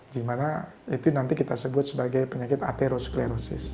gimana itu nanti kita sebut sebagai penyakit atherosklerosis